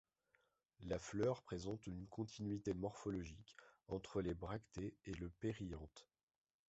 La fleur présente une continuité morphologique entre les bractées et le périanthe.